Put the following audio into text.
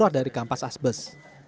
murah dari kampas asbestos